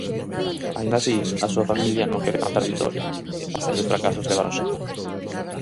Aínda así, a súa familia non quere cantar vitoria, bastantes fracasos levaron xa.